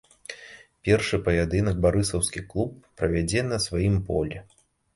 Першы паядынак барысаўскі клуб правядзе на сваім полі.